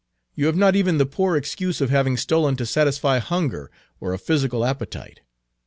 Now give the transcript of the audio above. You have not even the poor excuse of having stolen to satisfy hunger or a physical appetite.